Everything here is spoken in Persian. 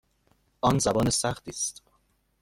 آن زبان سختی است.